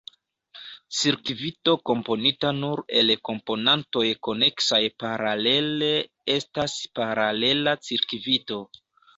Cirkvito komponita nur el komponantoj koneksaj paralele estas paralela cirkvito.